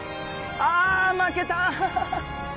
あ負けた！